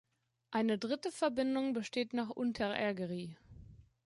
Eine dritte Verbindung besteht nach Unterägeri.